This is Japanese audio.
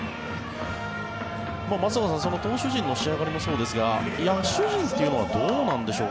松坂さん、その投手陣の仕上がりもそうですが野手陣というのはどうなんでしょう？